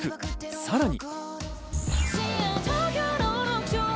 さらに。